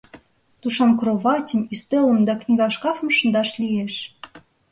— Тушан кроватьым, ӱстелым да книга шкафым шындаш лиеш.